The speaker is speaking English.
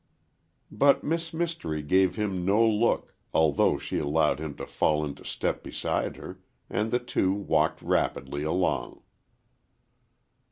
But Miss Mystery gave him no look, although she allowed him to fall into step beside her, and the two walked rapidly along.